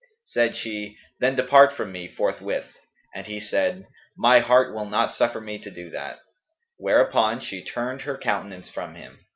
Said she, 'Then depart from me forthwith;' and he said, 'My heart will not suffer me to do that;' whereupon she turned her countenance from him.